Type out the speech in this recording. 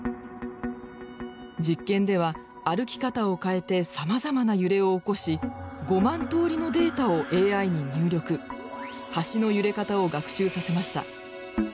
実験では歩き方を変えてさまざまな揺れを起こし５万通りのデータをＡＩに入力橋の揺れ方を学習させました。